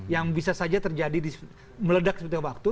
yang bisa saja terjadi meledak seperti waktu